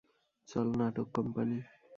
চল, নাটক কোম্পানি।